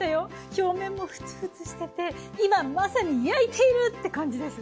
表面もフツフツしてて今まさに焼いているって感じです。